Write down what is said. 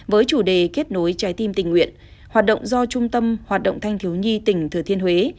với chủ đề kết nối trái tim tình nguyện hoạt động do trung tâm hoạt động thanh thiếu nhi tỉnh thừa thiên huế